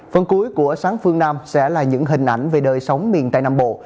phần cuối của sáng phương nam sẽ là những hình ảnh về đời sống miền tây nam bộ